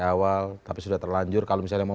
awal tapi sudah terlanjur kalau misalnya mau